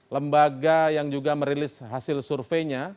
lembaga yang juga merilis hasil surveinya